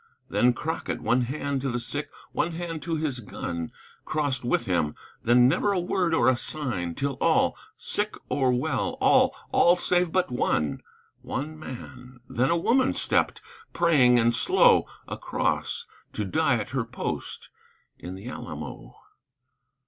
Then Crockett, one hand to the sick, one hand to his gun, Crossed with him; then never a word or a sign Till all, sick or well, all, all save but one, One man. Then a woman stepped, praying, and slow Across; to die at her post in the Alamo.